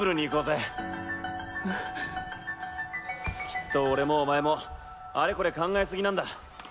きっと俺もお前もアレコレ考えすぎなんだ。